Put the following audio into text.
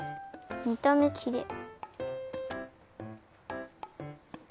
みためきれい。